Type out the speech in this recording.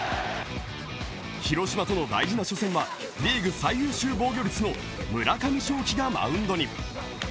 広島との大事な初戦はリーグ最優秀防御率の村上頌樹がマウンドに。